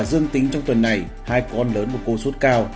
dương tính trong tuần này hai con lớn một cô sốt cao